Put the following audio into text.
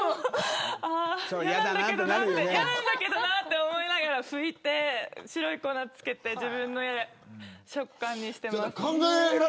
嫌なんだけどなと思いながら拭いて白い粉付けて自分の感触にしています。